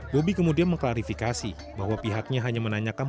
bobi kemudian mengklarifikasi bahwa pihaknya hanya menanyakan